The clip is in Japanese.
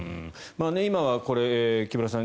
今はこれ、木村さん